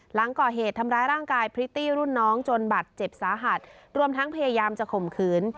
หลังก่อเหตุทำร้ายร่างกายพริตตี้รุ่นน้องจนบัตรเจ็บสาหัสรวมทั้งพยายามจะข่มขืน